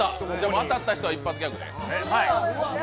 当たった人は一発ギャグね。